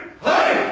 はい！